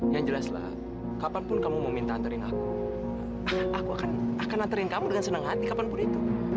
yang jelas lah kapanpun kamu mau minta anterin aku aku akan anterin kamu dengan senang hati kapanpun itu